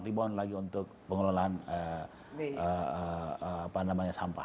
rebound lagi untuk pengelolaan apa namanya sampah